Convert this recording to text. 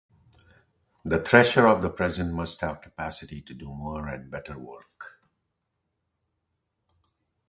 The thresher of the present must have capacity to do more and better work.